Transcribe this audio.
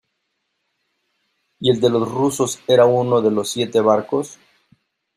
¿ y el de los rusos era uno de los siete barcos?